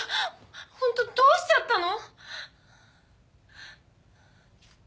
ホントどうしちゃったの？